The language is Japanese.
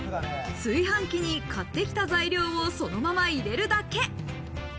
炊飯器に、買ってきた材料をそのまま入れるだけ。